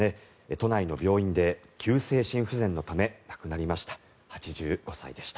都内の病院で急性心不全のため亡くなりました。